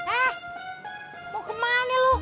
eh mau ke mana lu